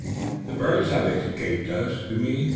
"The birds have escaped us, you mean?"